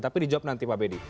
tapi dijawab nanti pak benny